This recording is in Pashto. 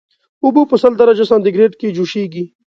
اوبه په سل درجه سانتي ګریډ کې جوشیږي